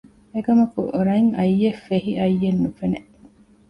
އެކަމަކު ރަތް އައްޔެއް ފެހި އައްޔެއް ނުފެނެ